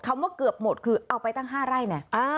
คำคำว่าเกือบหมดคือเอาไปตั้ง๕ไร่แหละ